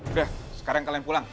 udah sekarang kalian pulang